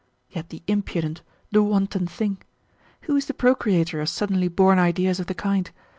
Yet the impudent, the wanton thing! Who is the procreator of suddenly born ideas of the kind?